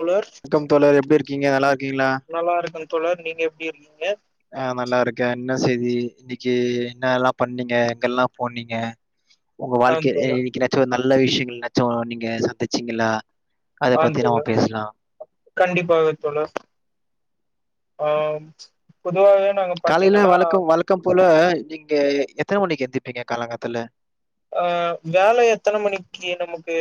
தோழர் ணக்கம் தோழரே எப்டி இர்க்கீங்க நல்லார்க்கீங்ளா நல்லாருக்கே தோழர் நீங்க எப்டி இருக்கீங்க ஆ நல்லார்க்கே என்ன செய்தி இன்னிக்கி என்னல்லா பண்ணீங்க எங்கெல்லா போனீங்க ஒங்க ஆ வாழ்க்கையே தோழர் இன்னிக்கி எதாச்சு நல்ல விஷயங்கள் என்னாச்சு நீங்க சந்திச்சீங்களா அத ஆ பத்தி நம்ம தோழர் பேசலாம். கண்டிப்பாக தோழர் ஆம் பொதுவாவே நாங்க பாத்தீங்கனா க்கபோல நீங்க எத்தன மணிக்கு எந்திப்பீங்க காலங்காத்தால ஆ வேல எத்தன மணிக் கி நமக்கு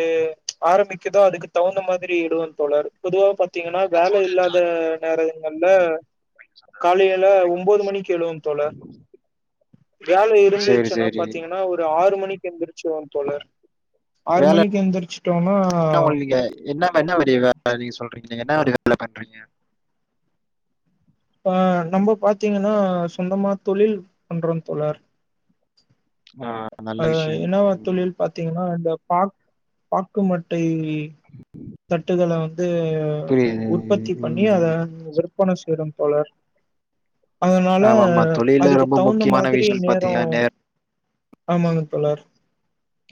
ஆரம்பிக்குதோ அதுக்கு தவுந்த மாதிரி இடுவ தோழர் பொதுவா பாத்தீங்கனா வேல இல்லாத நேரங்கள்ல காலையல ஒம் ஒம்பது மணிக்கு எழுவ தோழர் வேல சரி, இருந்துச்சுன்னு சரி. பாத்தீங்கனா ஒரு ஆறு மணி க்கு எந்திரிச்வோ தோழர் ஆறு மணிக்கு எந்திரிச்சுட்டோனா என்ன ஒங்க நீங்க என்ன ம என்ன மாரி வேல நீங்க சொல்றீங்க என்ன மாரி வேல பண்றீங்க அ நம்ம பாத்தீங்கனா சொந்தமா தொழில் பண்றோ தோழர் ஆ நல்ல அதா விஷயம். என்னவா ம். தொழில் பாத்தீங்கனா இந்த பாக் பாக்குமட்டை தட்டுகள வந்து புரியுது. உற்பத்தி பண்ணி ம். அத விற்பன செய்றோ தோழர் அதனால ஆமாமா. தொழில்ல அதுக்கு ரொம்ப தவுந்த முக்கியமான மாதிரி விஷயம் நேரோ பாத்தீங்கன்னா ஆமாங்க தோழர்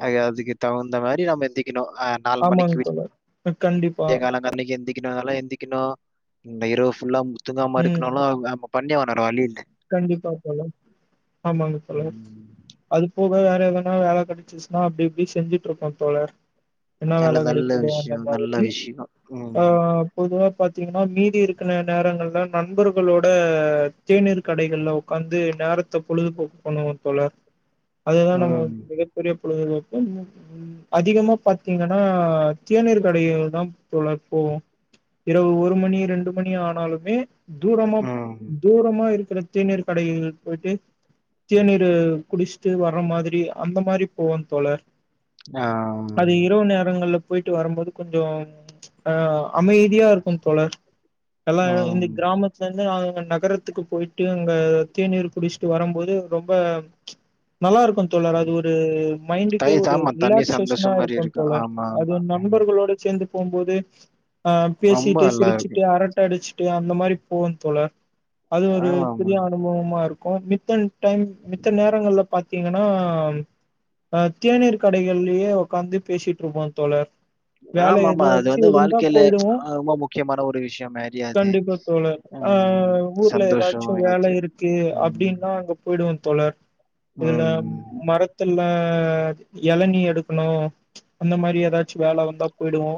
அது அதுக்கு தவுந்த மாரி நம்ம எந்திக்கணு அ நாலு மணிக்கு ஆமாங்க விட் தோழர். கண்டிப்பா. விடியகாலோ நாலு மணிக்கு எந்தி பின்னால எந்திக்கணு இந்த இரவு ஃபுல்லா முத் தூங்காமா ம். இருக்கணுனா அப்ப பண்ணியாவுனு வேற வழியில்ல கண்டிப்பா தோழர் ஆமாங்க தோழர் ம். அது போக வேற எதனா வேல கெடைச்சிச்சுனா அப்டி அப்டி செஞ்சிட்டு ருப்போ தோழர் என்ன நல்ல வேல நல்ல கெடைக்கிதோ அந்த விஷயம் நல்ல மாதிரி விஷயம் ஆ ம் பொதுவா பாத்தீங்கனா மீதி இருக்கிற நேரங்கள்ல நண்பர்களோட தேநீர் கடைகள்ல் ஒக்காந்து நேரத்த பொழுதுபோக்கு பண்ணுவோ தோழர் அதுதா நம்ம ம் மிக பெரிய பொழுதுபோக்கு [inaudible] அதிகமா பாத்தீங்கனா தேநீர் கடைகள்தா தோழர் போவோ இரவு ஒரு மணி ரெண்டு மணி ஆனாலுமே தூரமா ம் தூரமா இருக்குற தேநீர் கடைகள் போய்ட்டு தேநீரு குடிச்ட்டு வர்ற மாதிரி அந்த மாரி போவோ தோழர் ஆம் அது இரவு நேரங்கள்ல போய்ட்டு வரம்போது கொஞ்சொ அ அமைதியா இருக்கு தோழர் எல்லா இந்த ம் கிராமத்லேந்து நாங்க நகரத்துக்கு போய் ட்டு அங்க தேநீர் குடிச்ட்டு வரம்போது ரொம்ப நல்லா இருக்கு தோழர் அது ஒரு தை மைண்டுக்கே ஒரு ஆமா தண்ணி ரிலாக்சேஷனா சந்தோஷம் மாதிரி இருக்கு இருக்கும் தோழர் ஆமா அது ஆமா ம். நண்பர்களோட சேந்து போம்போது ஆ ரொம்ப பேசிட்டு நல்லா இருக்கு சிரிச்சுட்டு அரட்ட அடிச்சுட்டு அந்த மாரி போவோ தோழர் அது ஒரு ஆமா ஆமா புதிய அனுபவமா இருக்கு மித்தல் டைம் மித்த நேரங்கள்ல பாத் த்தீங்கனா அ தேநீர் கடைகள்ளயே ஒக்காந்து பேசிட்ருப்போ தோழர் வேல ஆமா ஆமா அது எதாச்சு வந்து இருந்தா வாழ்க்கையில போய்டுவோ அஹ், ரொம்ப முக்கியமான ஒரு விஷயம் மாதிரி அது கண்டிப்பா தோழர் ஆ ம், ஊர்ல எதா சந்தோஷம் ச்சு வேல எல்லாத்தையும் இருக்கு ம். அப்டின்னா அங்க போய்டுவோ தோழர் இதுல ம். மரத் துல எளநீ எடுக்குணு அந்த மாரி ஏதாச்சு வேல வந்தா போய்டுவோ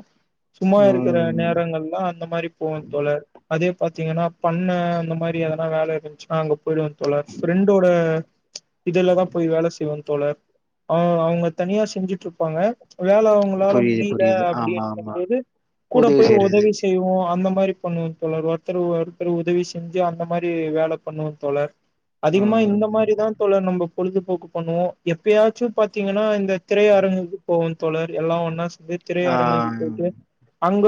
சும்மா இருக்குற ம். நேரங்கள்லா இந்த மாரி போவோ தோழர் அதே பாத்தீங்கன்னா பண்ண அந்த மாரி எத வேல இருந்ச்சுன்னா அங்க போய்டுவோ தோழர் ஃப்ரெண்டோட இதுலதா போய் வேல செய்வோ தோழர் ஆ அவ்ங்க தனியா செஞ்சுட்ருப்பாங்க வேல அவுங்களால புரியுது, முடியில புரியுது. ஆமா, அப்டின்னும் ஆமா. போது கூட உதவி போய் செய்றது. ஒதவி செய்வோ அந்த மாரி பண்ணுவ தோழர் ஒர்த்தர் ஒர்த்தர் உதவி செஞ்சு அந்த மாரி வேல பண்ணுவோ தோழர் அதிகமா ம். இந்த மாரிதா தோழர் நம்ப பொழுதுபோக்கு பண்ணுவோ எப்பயாச்சு பாத்தீங்கன்னா இந்த திரை அரங்குக்கு போவோ தோழர் எல்லா ஒன்னா சேந்து ஆ. திரையரங்கள் போயிட்டு அங்க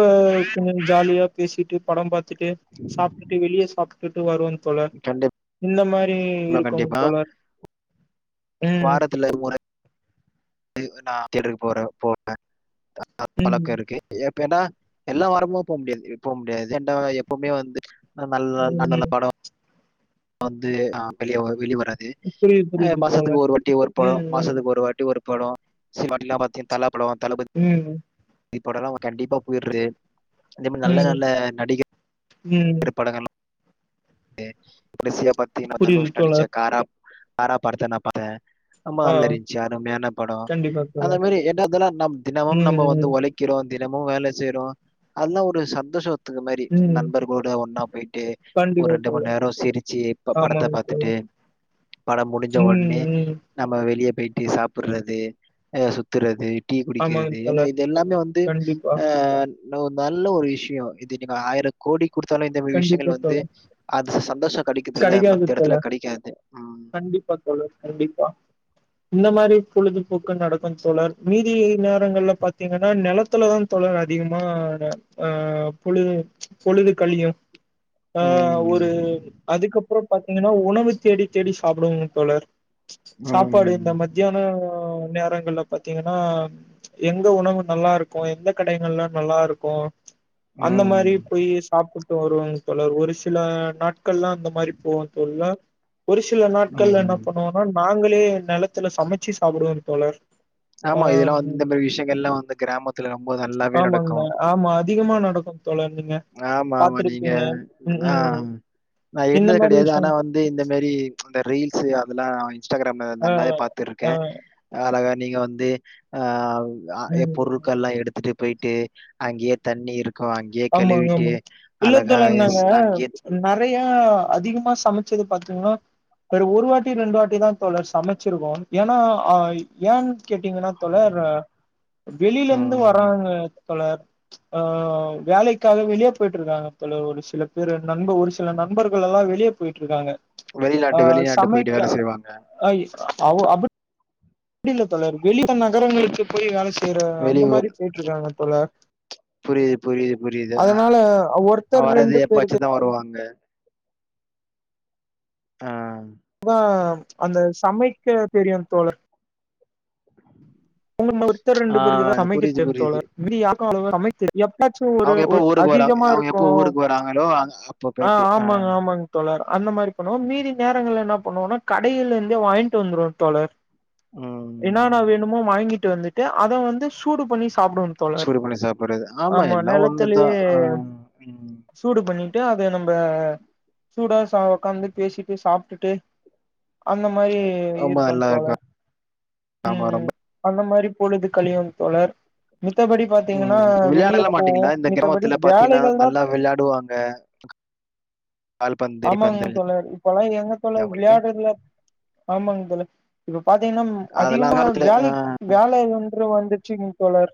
கொஞ்ச ஜாலியா பேசிட்டு படம் பாத்துட்டு சாப்ட்டுட்டு வெளிய சாப் ய்ட்டு வருவோ தோழர் கண்டிப்பா, இந்த மாரி இருக்குங் கண்டிப்பா. தோழர் ம் வாரத்துல [inaudible] நா த்யேட்டருக்கு போற போவ ம் பழக்கொ இருக்கு எப்பனா எல்லா வாரமு போ முடியாது போ முடியாது ஏண்டா எப்பவ்மே வந்து ஆ நல் நல் நல்ல ம் படம் வந்து ஆ வெளிய வெளி வராது புரியுது ஆ புரியுது மாசத்துக்கு தோழர் ஒரு வாட்டி ஒரு படொ ம் ம் மாசத்துக்கு ஒரு வாட்டி ஒரு படொ [inaudible] தல படம் தளபதி ம் தி படொல்லா அ கண்டிப்பா போய்ட்ரு அந்த மாரி நல்ல ம் நல்ல நடி ம் கர் படங்கள் எ கடசீய பாத்தீனா புரியுது தனுஷ் நடிச்ச தோழர் காரா காரா படத்த நா பாத்த ஆமா ஆ நல்லாருந்ச்சு அருமையான படொ கண்டிப்பா அந்த தோழர் மாரி என்னதுல்லா நம் தினமும் ம் நம்ம வந்து ம் ஒழைக் கிறோ தினமு வேல செய்றோ அத்ல ஒரு சந்தோஷ ன்ற மாரி ம் நண்பர்களோட ஒன்னா போய்ட்டு ஒரு கண்டிப்பா ரெண்டு மண் தோழர் நேரொ சிரிச்சி இப்ப படத்த ஆமாங்க பாத்துட்டு தோழர் படம் முடிஞ்ச ம் ஒன்னே ம் நம்ம வெளிய போய்ட்டு சாப்புர்றது ஆ சுத்துறது டீ ஆமாங்க குடிக்கிறது ஏனா தோழர் இது எல்லாமே வந்து கண்டிப்பா ஆ இது ஒரு நல்ல ஒரு விஷியோ இது நீங்க ஆயிர கோடி குடுத்தாலு இந்த மாரி கண்டிப்பா விஷயங்கள் வந்து தோழர் அது சந்தோஷ கெடைக்குதில்ல கெடைக்காது மத்த எடத்துல தோழர் கெடைக்காது ம் [unintelligible] கண்டிப்பா இந்த மாரி பொழுதுபோக்கு நடக்கு தோழர் மீதி நேரங்கள்ல பாத்தீங்கன்னா நெலத்துல தா தோழர் அதிகமான அ பொழுது பொழுது கழியு ஆ ஒரு ம். அதுக்கப்றோ பாத்தீங்கன்னா உணவு தேடி தேடி சாப்பிடுவோங் தோழர் சாப்பாடு இந்த ம். மத்தியானோ நேரங்கள்ல பாத்தீங்கன்னா எங்க உணவு நல்லா இருக்கு எந்த கடைங்கள்ல நல்லா இருக்கு அந்த மாரி ம். போய் சாப்புட் வருவங் தோழர் ஒரு சில நாட்கள்ல்லா அந்த மாரி போவோ தோழ்ல ஒரு சில நாட்கள்ல என்ன ம். பண்ணுவோனா நாங்களே நெலத்துல சமைச்சு சாப்பிடுவங் தோழர் ஆ ஆமா. இதெல்லாம் வந்து ம் இந்த மாரி விஷயங்கள்லாம் வந்து கிராமத்துல ரொம்ப நல்லாவே ஆமாங்க நடக்கும். ஆமா அதிகமா நடக்கு தோழர் நீங்க ஆமா ஆமா நீங்க பாத்துருப்பீங்க. ம், ஆ ம். நா இந்த இருந்தது மாரி கெடையாது ஆனா விஷயம். வந் து இந்த மாரி அந்த ரீல்ஸ் அதெல்லா இன்ஸ்டாகிராம்ல ஆ, நல்லாவே பாத்துருக்கே ஆ, அழகா நீங்க வந்து ஆ எ ம். பொருட்கள்லா எடுத்துட்டு போயிட்டு அங்கேய தண்ணி இருக்கு அங்கயே ஆமாங்க, கழுவிட்டு ஆமா. அழகா எஸ் அங்கயே நெறையா அதிகமா சமைச்சது பாத்தீங்கன்னா வேற ஒரு வாட்டி ரெண்டு வாட்டி தா தோழர் சமச்சிருக்கோ ஏனா அ ஏ கேட்டீங்கன்னா தோழர் அ வெளிலருந்து ம். வராங்க தோழர் அ வேலைக்காக வெளிய போயிட்ருக்காங்க தோழர் ஒரு சில பேரு நண்ப ஒரு சில நண்பர்கள் எல்லா வெளியப் போயிட்ருக்காங்க வெளிநாட்டு வெளிநாட்டு போயிட்டு வேல செய்வாங்க ஆயி அவு அப் அப்டி இல்ல தோழர் வெளில நகரங்களுக்கு போய் வேல செய்ற அந்த மாரி போயிட்ருக்காங்க தோழர் புரியிது புரியிது புரியிது அதனால அ ஒருத்தர் வரது ரெண்டு எப்பாச்சு பேருக்கு தா வருவாங்க ஆ அ அந்த சமைக்க தெரியுந் தோழர் [inaudible] ஒருத்தர் ரெண்டு ஆ பேருக்கோ தா சமைக்க புரியுது, தெரியு புரியுது. தோழர் மீதி யாருக்கு அவ்ளோவா சமைக்க தெரி எப்பாச்சு ஒரு அவங்க எப்போ ஒரு ஊருக்கு வராங்க அதிகமா அவங்க இருக்கு எப்போ ஊருக்கு வராங்களோ, அங்க- அப்போ அ போயிட்டு ஆ. ஆமாங்க ஆமாங் தோழர் அந்த மாரி பண்ணுவோ மீதி நேரங்கள்ல இன்னாப் பண்ணுவோன்னா கடையில இருந்தே வாங்கிட்டு வந்துருவோ தோழர் இன்னான்னா ம். வேணுமோ வாங்கிட்டு வந்துட்டு அத வந்து சூடு பண்ணி சாப்டுவோ தோழர் சூடு பண்ணி சாப்பறது ஆமா எல்லா ஒண்ணுதா அ ம் சூடு பண்ணிட்டு அத நம்ப சூடா ச ஒக்காந்து பேசிட்டு சாப்ட்டுட்டு அந்த மாரி ரொம்ப இருப்பாங் நல்லா இருக்கு. தோழர் ஆமா, ம் ரொம்ப அந்த மாரி பொழுது கழியு தோழர் மித்தபடி பாத்தீங்கன்னா ம். வெளிய விளையாடலாம் போவோ மாட்டீங்களா? இந்த மித்தபடி கிராமத்துல பார்த்தீங்கன்னா, வேலைகள் தா நல்லா விளையாடுவாங்க. கால்பந்து, ஆமாங் கைப்பந்து தோழர் இப்பல்லா எங்க தோழர் அவங்களுக்கு. விளையாட்றதுல ஆமாங் தோழர் இப்ப பாத்தீங்கன்னா அதெல்லாம் அந்த அதிகமா காலத்துல அ வேலைக் வேல இல்லன்றது வந்துச்சிங் தோழர்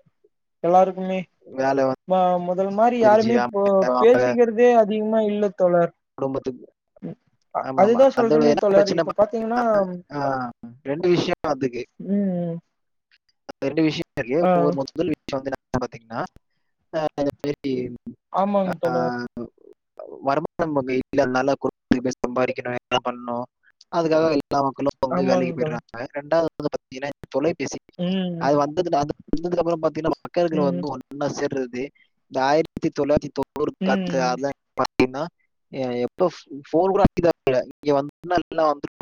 எல்லாருக்குமே வேலை ம முதல் மாரி வந்துருச்சு. யாருமே ஆமா. இப்போ அவங்க பேசிக்கிறதே அதிகமா இல்ல தோழர் குடும்பத்துக்கு அ ஆமா ஆமா அதுதா அதோட சொல்றேனே என்ன தோழர் பிரச்சனப் இப்ப பாத்தீங்கன்னா பாத்திங்கன்னா அ ரெண்டு விஷயோ அதுக்கு ம் ரெண்டு விஷயத்துலயே ஆ ஒரு மொதல் விஷயோ வந்து என்னன் பாத்தீங்ன்னா அ இந்த மாரி ஆமாங்க அ தோழர் [inaudible] நம்ம வீட்ல சம்பாரிக்கிறவ என்ன பண்ணு அதுக்காக எல்லா மக்களோ [unintelligible] வந்து ஆமாங்க வேலைக்கு தோழர் போயிறாங்க ரெண்டாவது வந்து பாத்தீங்கன்னா தொலைபேசி ம் அது வந்ததுல அது வந்ததுக்கு அப்றோ பாத்தீங்கன்னா ம் [unintelligible] ஒண்ணா சேர்றது இந்த ஆயிரத்தி தொள்ளாயிரத்தி தொண்ணூறு பத்து ம் [unintelligible] பாத்தீங்ன்னா எ எப்போ ஃபோன் கூட இங்க வந்து எல்லா [unintelligible]